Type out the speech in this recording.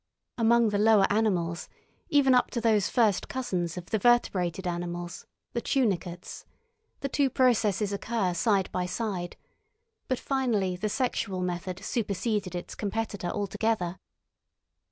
Among the lower animals, up even to those first cousins of the vertebrated animals, the Tunicates, the two processes occur side by side, but finally the sexual method superseded its competitor altogether.